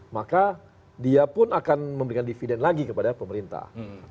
maka dia pun akan memberikan dividen lagi kepada pemerintah